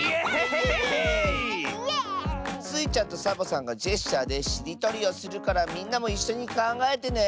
スイちゃんとサボさんがジェスチャーでしりとりをするからみんなもいっしょにかんがえてね！